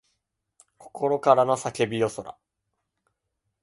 心からの叫びよそら